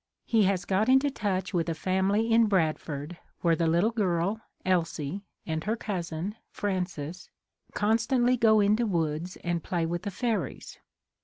He has got into touch with a family in Bradford where the little girl, Elsie, and her cousin, Frances, constantly go into woods and play with the fairies.